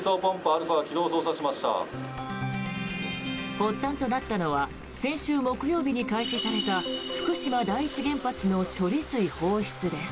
発端となったのは先週木曜日に開始された福島第一原発の処理水放出です。